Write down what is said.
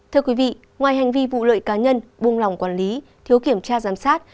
thưa quý vị ngoài hành vi vụ lợi cá nhân buông lòng quản lý thiếu kiểm tra giám sát